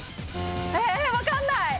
分かんない！